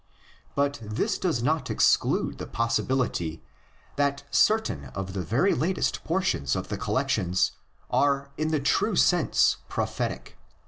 But this does not exclude the possibility that cer tain of the very latest portions of the collections are in the true sense "Prophetic."